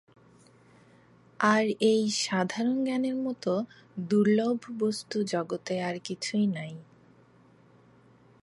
আর এই সাধারণ জ্ঞানের মত দুর্লভ বস্তু জগতে আর কিছুই নাই।